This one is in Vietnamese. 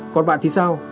còn bạn thì sao